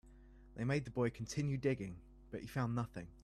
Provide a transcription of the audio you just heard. They made the boy continue digging, but he found nothing.